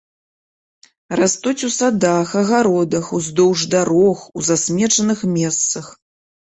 Растуць у садах, агародах, уздоўж дарог, у засмечаных месцах.